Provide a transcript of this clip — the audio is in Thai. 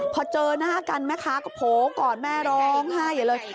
พอเจอหน้ากันแม่ค้าก็โผล่กอดแม่ร้องไห้อย่าเลย